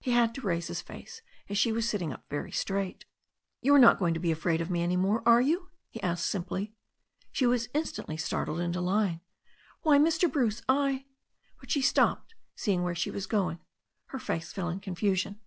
He had to raise his face, as she was sitting up very straight. "You are not going to be afraid of me any more, are you?" he asked simply. She was instantly startled into lying. "Why, Mr. Bruce, I But she stopped, seeing where she was going. Her face fell in confusion.